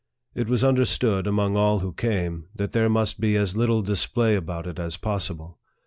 It was understood, among all who came, that there must be as little dis play about it as possible.